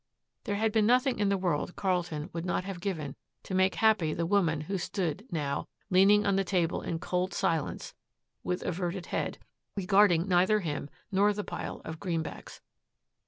There had been nothing in the world Carlton would not have given to make happy the woman who stood now, leaning on the table in cold silence, with averted head, regarding neither him nor the pile of greenbacks.